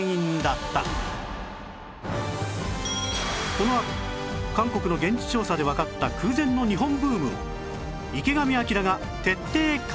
このあと韓国の現地調査でわかった空前の日本ブームを池上彰が徹底解説！